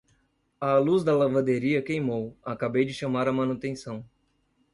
A luz da lavanderia queimou, acabei de chamar a manutenção.